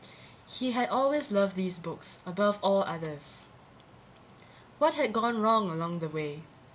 He had always loved these books, above all others. What had gone wrong along the way?